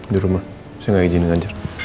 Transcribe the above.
di rumah saya gak ijinin ngajar